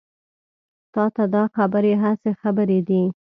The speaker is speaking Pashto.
تا ته دا خبرې هسې خبرې دي.